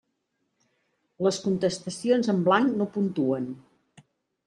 Les contestacions en blanc no puntuen.